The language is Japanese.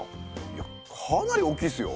いやかなり大きいですよ。